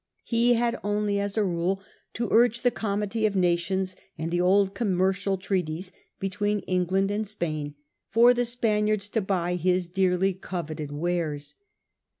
He had only as a rule to urge the comity of nations and the old commercial treaties between England and Spain for the Spaniards to buy his dearly coveted wares.